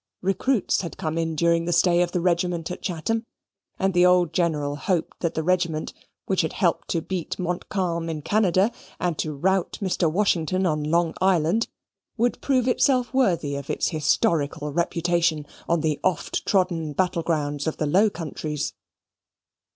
Recruits had come in during the stay of the regiment at Chatham; and the old General hoped that the regiment which had helped to beat Montcalm in Canada, and to rout Mr. Washington on Long Island, would prove itself worthy of its historical reputation on the oft trodden battle grounds of the Low Countries.